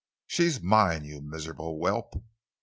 She's mine, you miserable whelp!"